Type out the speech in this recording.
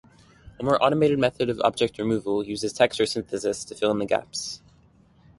A more automated method of object removal uses texture synthesis to fill in gaps.